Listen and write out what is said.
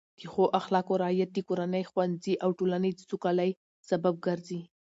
د ښو اخلاقو رعایت د کورنۍ، ښوونځي او ټولنې د سوکالۍ سبب ګرځي.